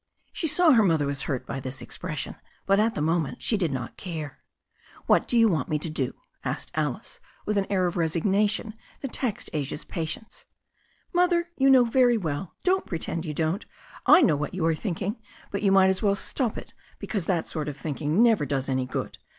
She saw her mother was hurt by this expression, but at that moment she did not care. "What do you want me to do?" asked Alice with an air of resignation that taxed Asia's patience. "Mother, you know very well. Don't pretend you don*t I know what you are thinking. But you might as well stop it, because that sort of thinking never does any good.